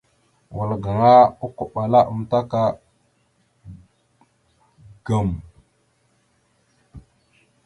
Wal gaŋa okombaláamətak ŋgam a.